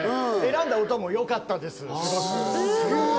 選んだ音もよかったです。